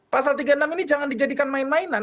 pasal tiga puluh enam ini jangan dijadikan main mainan